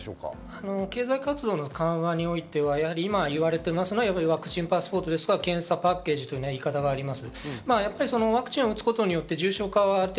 経済活動の緩和においては、今、言われているのはワクチンパスポートですとか検査パッケージという言い方があります。